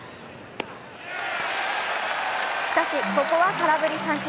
しかしここは空振り三振。